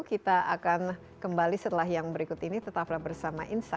kita akan kembali setelah yang berikut ini tetaplah bersama inside with desi anwar